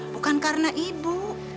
bukan karena ibu